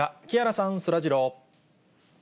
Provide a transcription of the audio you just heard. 木原さん、そらジロー。